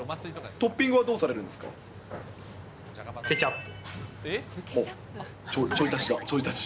トッピングはどうされるんでケチャップ。